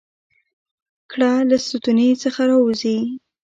ګړه له ستوني څخه راوزي؟